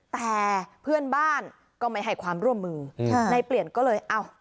แต่เพื่อนบ้านก็ไม่ให้ความร่วมมือในเปลี่ยนก็เลยอ้าว